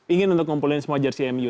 ingin untuk ngumpulin semua jersi mu